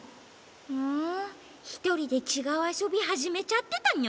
ふんひとりでちがうあそびはじめちゃってたの？